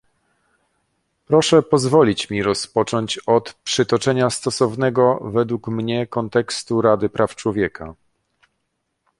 Proszę pozwolić mi rozpocząć od przytoczenia stosownego według mnie kontekstu Rady Praw Człowieka